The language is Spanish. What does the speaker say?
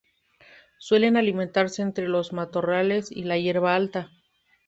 Suelen alimentarse entre los matorrales y la hierba alta.